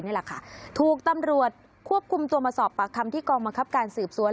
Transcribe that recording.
นี่แหละค่ะถูกตำรวจควบคุมตัวมาสอบปากคำที่กองบังคับการสืบสวน